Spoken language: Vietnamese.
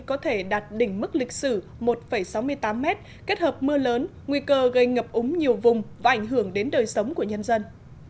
có thể đạt đỉnh mức lịch sử một sáu mươi tám m kết hợp mưa lớn nguy cơ gây ngập úng nhiều vùng và ảnh hưởng đến đời sống của nhân dân